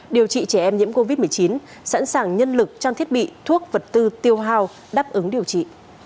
điều trị trẻ em nhiễm covid một mươi chín sẵn sàng nhân lực trang thiết bị thuốc vật tư tiêu hào đáp ứng điều trị